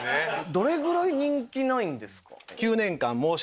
どれぐらい人気ないんですか？